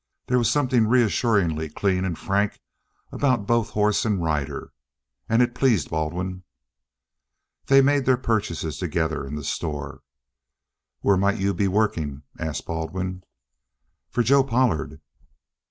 There was something reassuringly clean and frank about both horse and rider, and it pleased Baldwin. They made their purchases together in the store. "Where might you be working?" asked Baldwin. "For Joe Pollard."